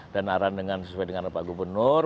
dan naran dengan sesuai dengan rupak gubernur